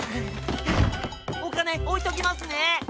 おかねおいときますね。